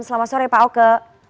selamat sore pak oke